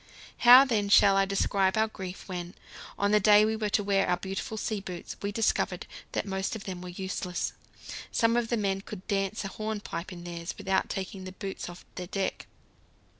How, then, shall I describe our grief when, on the day we were to wear our beautiful sea boots, we discovered that most of them were useless? Some of the men could dance a hornpipe in theirs without taking the boots off the deck.